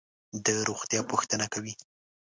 د روغتیا پوښتنه کوي.